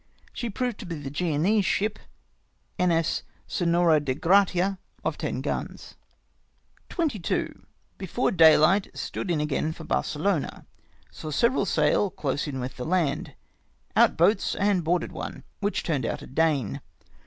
She proved to be the Grenoese ship iVs. SeTiora de Gratia, of ten guns. "22. — Before daylight, stood in again for Barcelona. Saw several sail close in with the land. Out boats and boarded one, which turned out a Dane.